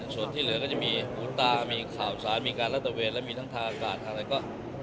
ส่วนที่เหลือก็จะมีหูตามีข่าวสารมีการรัฐเวนและมีทั้งทางอากาศทางอะไรก็